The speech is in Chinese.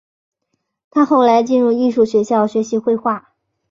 他后来进入艺术学校学习绘画。